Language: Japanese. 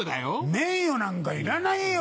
名誉なんかいらないよ！